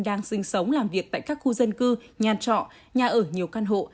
đang sinh sống làm việc tại các khu dân cư nhà trọ nhà ở nhiều căn hộ